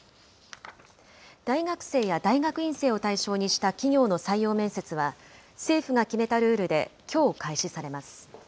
大学生や大学院生を対象にした企業の採用面接は、政府が決めたルールできょう開始されます。